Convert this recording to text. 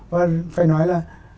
và phải nói là